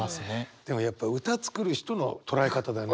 でもやっぱ歌作る人の捉え方だよね。